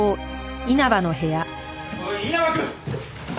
おい稲葉くん！